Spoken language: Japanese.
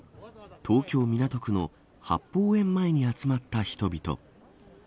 東京、港区の八芳園前に集まった人々。